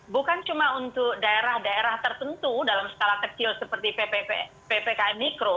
bukan cuma untuk daerah daerah tertentu dalam skala kecil seperti ppkm mikro